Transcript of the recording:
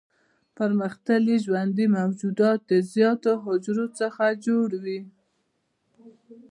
پرمختللي ژوندي موجودات د زیاتو حجرو څخه جوړ وي.